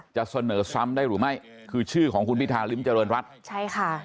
จะเสนอซ้ำได้หรือไม่คือชื่อของคุณพิธาริมเจริญรัฐใช่ค่ะ